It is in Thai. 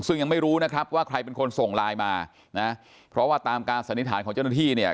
ซึ่งยังไม่รู้นะครับว่าใครเป็นคนส่งไลน์มานะเพราะว่าตามการสันนิษฐานของเจ้าหน้าที่เนี่ย